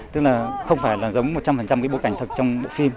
tức là không phải giống một trăm linh bộ cảnh thật trong bộ phim